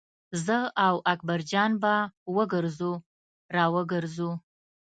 زه او اکبر جان به وګرځو را وګرځو.